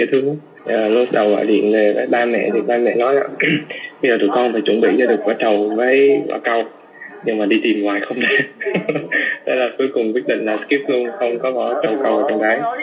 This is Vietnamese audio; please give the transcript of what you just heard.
thế là cuối cùng quyết định là skip luôn không có bỏ chồng cầu hay chồng gái